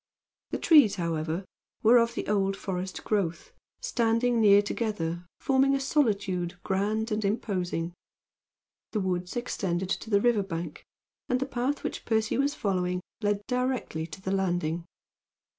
The trees, however, were of the old forest growth, standing near together, forming a solitude grand and imposing. The woods extended to the river's bank, and the path which Percy was following led directly to the landing.